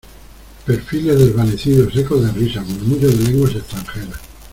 perfiles desvanecidos, ecos de risas , murmullo de lenguas extranjeras